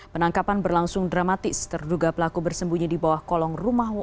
penangkapan berlangsung dramatis terduga pelaku bersembunyi di bawah kolong rumah warga